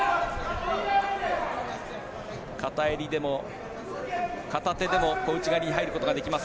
片襟でも片手でも小内刈りに入ることができます。